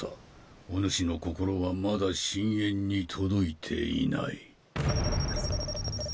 お主の心はまだ深淵に届いていない。